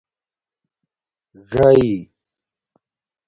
ژائئ